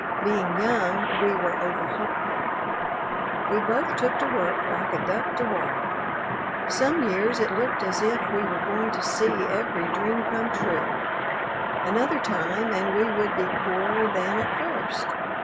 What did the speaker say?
Being young we were over hopeful. We both took to work like a duck to water. Some years it looked as if we were going to see every dream come true. Another time and we would be poorer than at first.